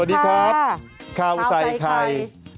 สวัสดีครับข้าวใส่ไข่